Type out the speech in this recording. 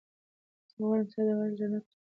زه غواړم ستا د غږ رڼا ته خپله لاره پیدا کړم.